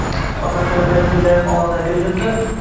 Otam talabalik yillarim olamdan ko`z yumdi